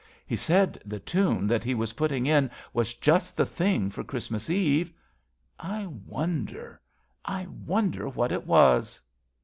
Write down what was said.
He said the tune that he was putting in Was just the thing for Christmas Eve. I wonder, 1 wonder what it was.